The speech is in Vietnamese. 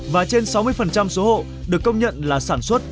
và trên sáu mươi số hộ được công nhận là sản xuất